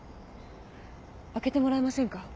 開けてもらえませんか？